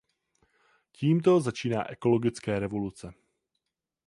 Tímto začíná ekologické revoluce.